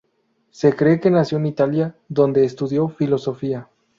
Se cree que nació en Italia, donde estudió filosofía.